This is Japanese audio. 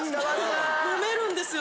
飲めるんですよ。